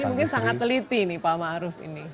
ini mungkin sangat teliti nih pak ma'ruf ini